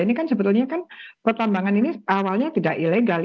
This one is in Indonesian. ini kan sebetulnya kan pertambangan ini awalnya tidak ilegal